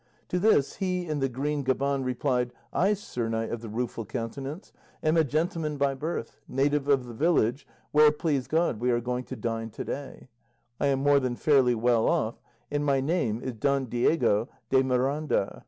To this, he in the green gaban replied "I, Sir Knight of the Rueful Countenance, am a gentleman by birth, native of the village where, please God, we are going to dine to day; I am more than fairly well off, and my name is Don Diego de Miranda.